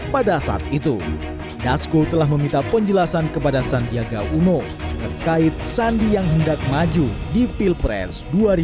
pada saat itu dasko telah meminta penjelasan kepada sandiaga uno terkait sandi yang hendak maju di pilpres dua ribu sembilan belas